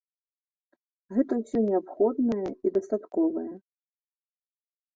Гэта ўсё неабходнае і дастатковае.